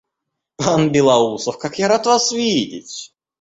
Пан Белоусов, как я рад вас видеть!